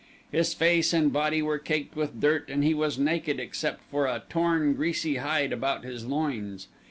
His face and body were caked with dirt and he was naked except for a torn greasy hide about his loins.